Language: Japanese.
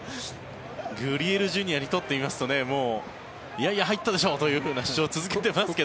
グリエルＪｒ．にとってみますといやいや入ったでしょという主張を続けていますが。